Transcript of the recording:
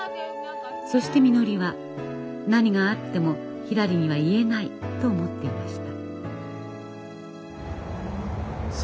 そしてみのりは何があってもひらりには言えないと思っていました。